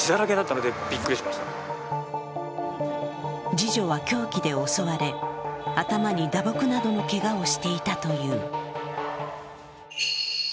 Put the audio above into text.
次女は凶器で襲われ頭に打撲などのけがをしていたという。